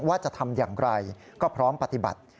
ว่าจะทำอย่างไรก็พร้อมปฏิบัติ